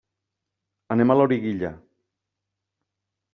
Anem a Loriguilla.